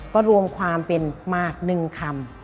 ก็รวมความเป็นมากหนึ่งคำ